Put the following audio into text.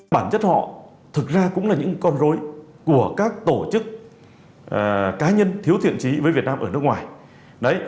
bản chất họ thực ra cũng là những con rối của các tổ chức cá nhân thiếu thiện trí với việt nam ở nước ngoài